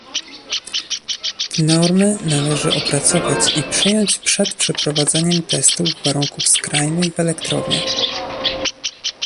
Te normy należy opracować i przyjąć przed przeprowadzeniem testów warunków skrajnych w elektrowniach